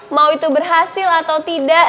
mau itu berhasil atau tidak